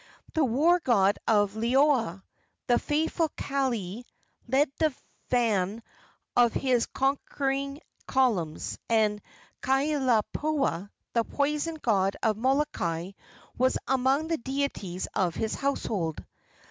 The war god of Liloa the fateful Kaili led the van of his conquering columns, and Kalaipahoa, the poison god of Molokai, was among the deities of his household.